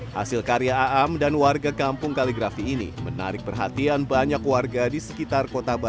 hasil karya aam dan warga kampung kaligrafi ini menarik perhatian banyak warga di sekitar kota batu